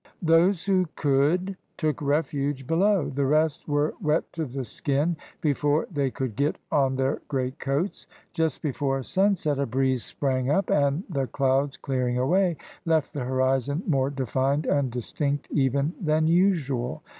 Those who could took refuge below; the rest were wet to the skin before they could get on their great coats. Just before sunset a breeze sprang up, and the clouds clearing away left the horizon more defined and distinct even than usual.